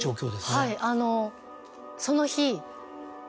はいあのその日。